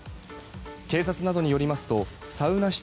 警察などによりますとサウナ室